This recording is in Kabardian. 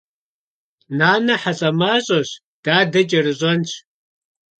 Нанэ хьэлӏамащӏэщ, дадэ кӏэрыщӏэнщ.